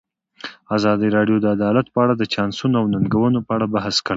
ازادي راډیو د عدالت په اړه د چانسونو او ننګونو په اړه بحث کړی.